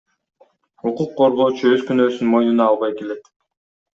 Укук коргоочу өз күнөөсүн мойнуна албай келет.